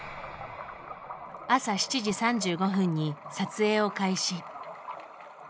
朝７時３５分に撮影を開始。